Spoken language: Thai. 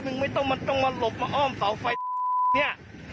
มึงไม่ต้องมาหลบมาอ้อมเสาไฟนี่